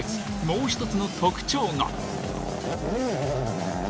もう１つの特徴が。